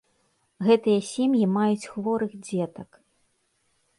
Гэтыя сем'і маюць хворых дзетак.